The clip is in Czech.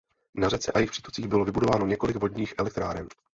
Na řece a jejich přítocích bylo vybudováno několik vodních elektráren.